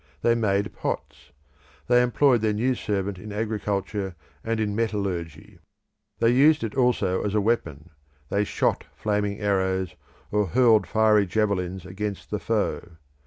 They made pots. They employed their new servant in agriculture and in metallurgy. They used it also as a weapon; they shot flaming arrows, or hurled fiery javelins against the foe.